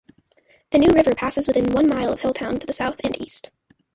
The New River passes within one mile of Hilltown to the south and east.